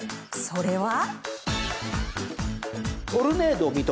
それは。